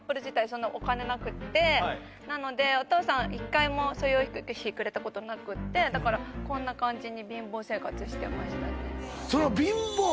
そんなお金なくってなのでお父さん一回も養育費くれたことなくってだからこんな感じに貧乏生活してましたね